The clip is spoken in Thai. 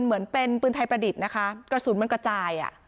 เหมือนเป็นปืนไทยประดิษฐ์นะคะกระสุนมันกระจาย